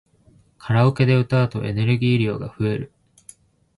カラオケで歌うとエネルギー量が増える